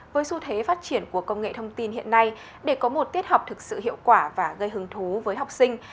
với xu thế phát triển của công nghệ thông tin hiện nay để có một tiết học thực sự hiệu quả và gây hứng thú với học sinh